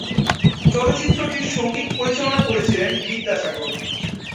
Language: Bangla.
চলচ্চিত্রটির সঙ্গীত পরিচালনা করেছিলেন বিদ্যাসাগর।